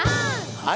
はい。